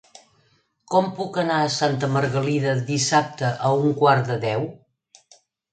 Com puc anar a Santa Margalida dissabte a un quart de deu?